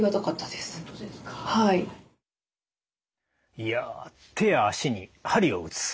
いや手や足に鍼を打つ。